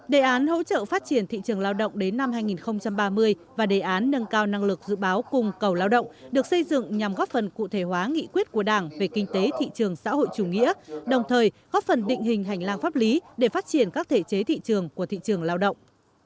đề án hỗ trợ phát triển thị trường lao động đến năm hai nghìn ba mươi và đề án nâng cao năng lực dự báo cung cầu lao động được xây dựng nhằm góp phần cụ thể hóa nghị quyết của đảng về kinh tế thị trường xã hội chủ nghĩa đồng thời góp phần định hình hành lang pháp lý để phát triển các thể chế thị trường của thị trường lao động